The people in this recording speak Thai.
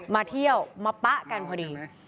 มาเที่ยวมาปะกันพอดี